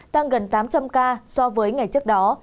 tăng gần tám trăm linh ca so với ngày trước đó